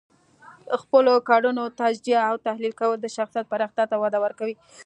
د خپلو کړنو تجزیه او تحلیل کول د شخصیت پراختیا ته وده ورکوي.